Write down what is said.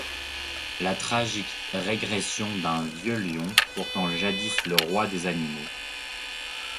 La tragique régression d'un vieux lion, pourtant jadis le roi des animaux.